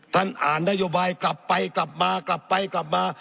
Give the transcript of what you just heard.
ท่านอ่านนโยบายกลับไปกลับมากลับไปกลับมา